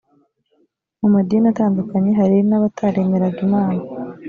mu madini atandukanye hari n abataremeraga imana